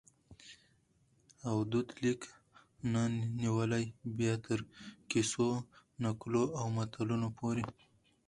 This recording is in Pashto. او دود لیک نه نیولي بیا تر کیسو ، نکلو او متلونو پوري